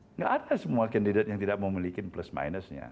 nggak ada semua kandidat yang tidak memiliki plus minusnya